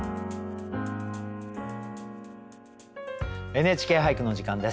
「ＮＨＫ俳句」の時間です。